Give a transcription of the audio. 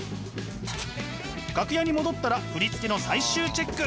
楽屋に戻ったら振り付けの最終チェック。